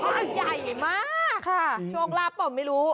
อ้าวใหญ่มากช่วงลาบผมไม่รู้